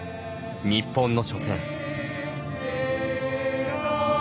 日本の初戦。